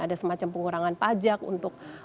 ada semacam pengurangan pajak untuk